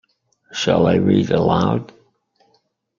Shall I read aloud?